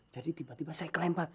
jadi tiba tiba saya kelempar